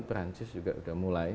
prancis juga sudah mulai